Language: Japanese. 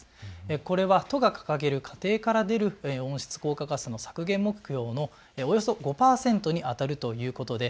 これは都が掲げる家庭から出る温室効果ガスの削減目標のおよそ５％にあたるということです。